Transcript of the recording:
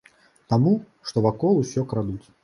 Таму, што вакол усё крадуць.